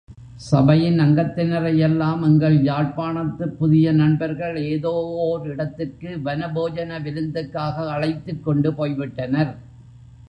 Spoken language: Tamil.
சபையின் அங்கத்தினரையெல்லாம் எங்கள் யாழ்ப்பாணத்துப் புதிய நண்பர்கள் ஏதோ ஓர் இடத்திற்கு வனபோஜன விருந்துக்காக அழைத்துக்கொண்டு போய்விட்டனர்.